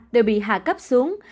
đều bị hạ cấp xuống